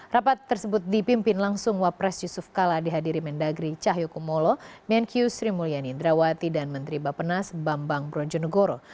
rapat tersebut dipimpin langsung wapres yusuf kala dihadiri mendagri cahyokumolo menkyu sri mulyani indrawati dan menteri bapenas bambang brojonegoro